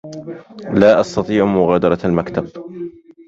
لا أستطيع مغادرة المكتب.